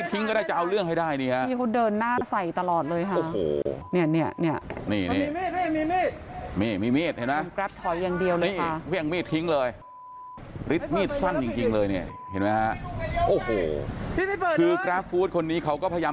เครื่องมีดทิ้งบอกไม่เอาก็ได้